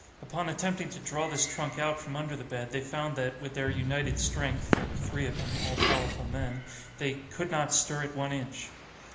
Upon attempting to draw this trunk out from under the bed, they found that, with their united strength (there were three of them, all powerful men), they 'could not stir it one inch.